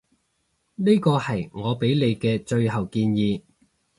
呢個係我畀你嘅最後建議